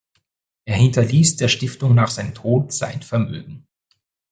Er hinterließ der Stiftung nach seinem Tod sein Vermögen.